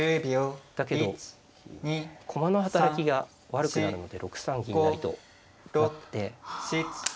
だけど駒の働きが悪くなるので６三銀成と成って。